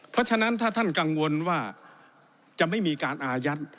เพราะฉะนั้นถ้าท่านกังวลว่าจะไม่มีการอายัด